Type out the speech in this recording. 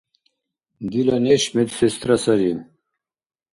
Дила неш медсестра сари